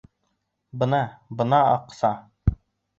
— Бына, бына аҡ-са!